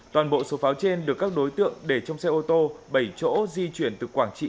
toàn bộ số pháo trên được các đối tượng để trong xe ô tô bảy chỗ di chuyển từ quảng trị